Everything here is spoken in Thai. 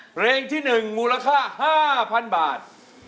เรนที่หนึ่งมูลค่า๕๐๐๐บาท